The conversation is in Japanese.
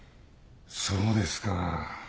そうですか。